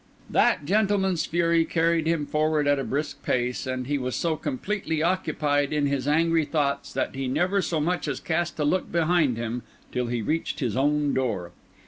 That gentleman's fury carried him forward at a brisk pace, and he was so completely occupied in his angry thoughts that he never so much as cast a look behind him till he reached his own door.